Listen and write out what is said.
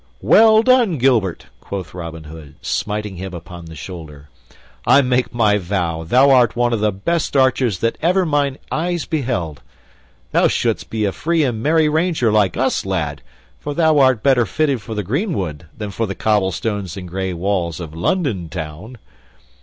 "Well done, Gilbert!" quoth Robin Hood, smiting him upon the shoulder. "I make my vow, thou art one of the best archers that ever mine eyes beheld. Thou shouldst be a free and merry ranger like us, lad, for thou art better fitted for the greenwood than for the cobblestones and gray walls of London Town."